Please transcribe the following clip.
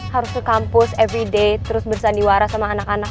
harus ke kampus evidate terus bersandiwara sama anak anak